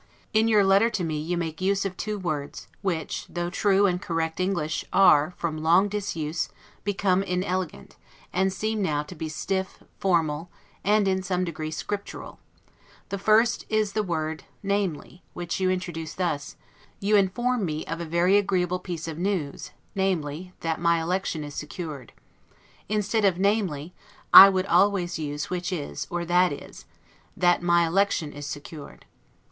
In your letter to me you make use of two words, which though true and correct English, are, however, from long disuse, become inelegant, and seem now to be stiff, formal, and in some degree scriptural; the first is the word NAMELY, which you introduce thus, YOU INFORM ME OF A VERY AGREEABLE PIECE OF NEWS, namely, THAT MY ELECTION IS SECURED. Instead of NAMELY, I would always use WHICH IS, or THAT IS, that my election is secured.